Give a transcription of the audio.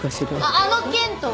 あの件とは？